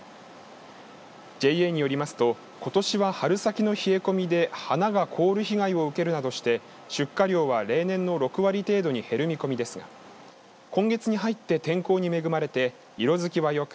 ＪＡによりますとことしは春先の冷え込みで花が凍る被害を受けるなどして出荷量は例年の６割程度に減る見込みですが今月に入って天候に恵まれて色づきはよく